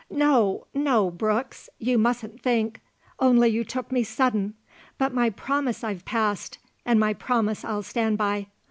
"No, no, Brooks! You mustn't think Only you took me sudden. But my promise I've passed, and my promise I'll stand by.